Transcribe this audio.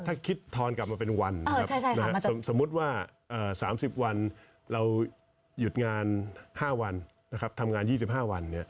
ถ้าคิดทอนกลับมาเป็นวันนะครับสมมุติว่า๓๐วันเราหยุดงาน๕วันนะครับทำงาน๒๕วัน